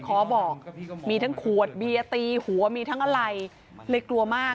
ขอบอกมีทั้งขวดเบียร์ตีหัวมีทั้งอะไรเลยกลัวมาก